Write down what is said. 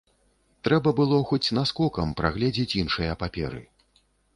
Трэба было хоць наскокам прагледзець іншыя паперы.